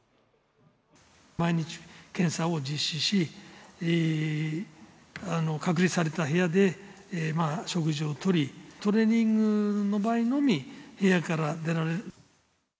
毎日、検査を実施し、隔離された部屋で食事をとり、トレーニングの場合のみ、部屋から出られる。